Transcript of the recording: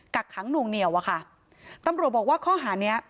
กักขังหน่วงเหนียวอะค่ะตำรวจบอกว่าข้อหาเนี้ย